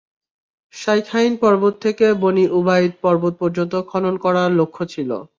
শাইখাইন পর্বত থেকে বনী উবাইদ পর্বত পর্যন্ত খনন করা লক্ষ্য ছিল।